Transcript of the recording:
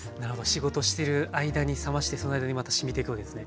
仕事してる間に冷ましてその間にまたしみていくわけですね。